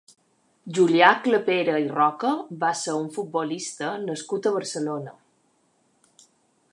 Julià Clapera i Roca va ser un futbolista nascut a Barcelona.